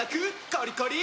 コリコリ！